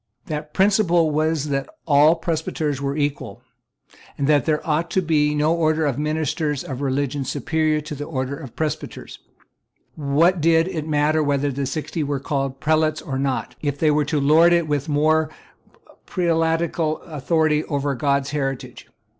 That principle was that all presbyters were equal, and that there ought to be no order of ministers of religion superior to the order of presbyters. What did it matter whether the Sixty were called prelates or not, if they were to lord it with more than prelatical authority over God's heritage?